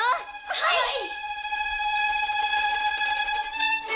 はい！